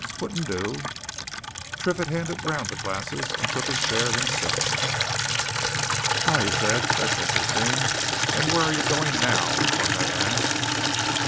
"Wouldn't do." Triffitt handed round the glasses and took a share himself. "Ah!" he said. "That's interesting! And where are you going, now if one may ask?"